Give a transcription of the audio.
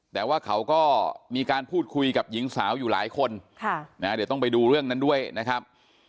แต่ว่าเขาก็มีการพูดคุยกับหญิงสาวอยู่หลายคนเดี๋ยวต้องไปดูเรื่องนั้นด้วยนะครับ